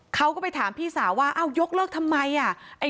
เขาก็ไปถามพี่สาวว่าอ้าวยกเลิกทำไมอ่ะ